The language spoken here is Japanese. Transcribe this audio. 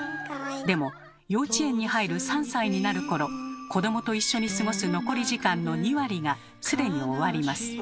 でも幼稚園に入る３歳になる頃子どもと一緒に過ごす残り時間の２割が既に終わります。